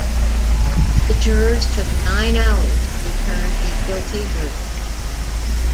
The jurors took nine hours to return a guilty verdict.